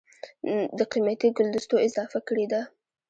دَ قېمتي ګلدستو اضافه کړې ده